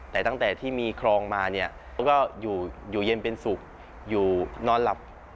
แต่ตั้งแต่ที่มีครองมาเนี่ยเขาก็อยู่เย็นเป็นสุขอยู่นอนหลับ